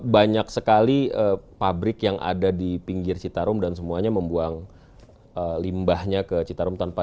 banyak sekali pabrik yang ada di pinggir citarum dan semuanya membuang limbahnya ke citarum